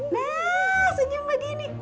nah senyum begini